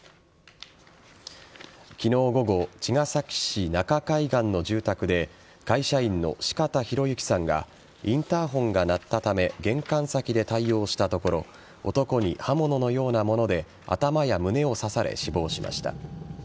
昨日午後茅ヶ崎市中海岸の住宅で会社員の四方洋行さんがインターホンが鳴ったため玄関先で対応したところ男に刃物のようなもので頭や胸を刺され死亡しました。